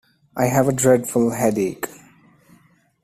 I have a dreadful headache.